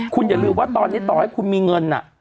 คุณอย่าลืมว่าตอนนี้ต่อให้คุณมีเงิน